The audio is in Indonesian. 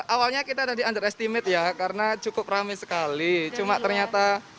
awalnya kita ada di under estimate ya karena cukup rame sekali cuma ternyata